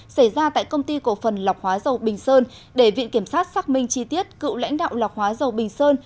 xảy ra tại công ty cổ phần lọc hóa dầu bình sơn để viện kiểm sát xác minh chi tiết cựu lãnh đạo lọc hóa dầu bình sơn